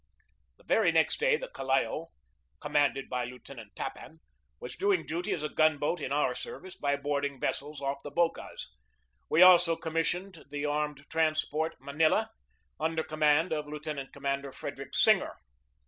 The very next day the Callao, commanded by Lieutenant Tappan, was doing duty as a gun boat in our service by boarding vessels off the Bocas. We also commissioned the armed transport Manila, under command of Lieutenant Commander Frederic Singer.